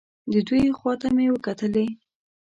د دوی خوا ته مې وکتلې.